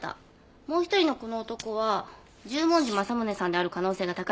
もう一人のこの男は十文字政宗さんである可能性が高いです。